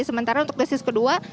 sementara untuk dosis kedua